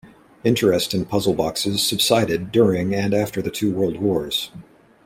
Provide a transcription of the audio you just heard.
Interest in puzzle boxes subsided during and after the two World Wars.